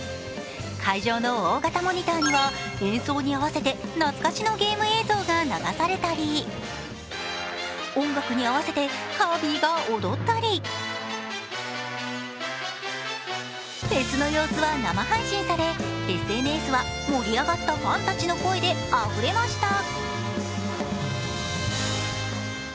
会場の大型モニターには演奏に合わせて懐かしのゲーム映像が流されたり、音楽に合わせてカービィが踊ったりフェスの様子は生配信され、ＳＮＳは盛り上がったファンたちの声であふれました。